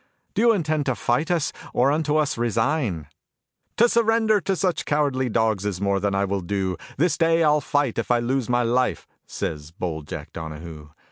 "Do you intend to fight us Or unto us resign?" "To surrender to such cowardly dogs Is more than I will do, This day I'll fight if I lose my life," Says bold Jack Donahoo.